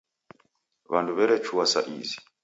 W'andu werechua sa izi.